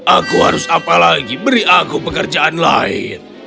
aku harus apa lagi beri aku pekerjaan lain